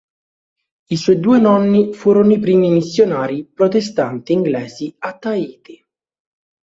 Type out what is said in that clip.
I suoi due nonni furono i primi missionari protestanti inglesi a Tahiti.